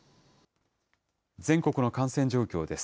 全国の感染状況です。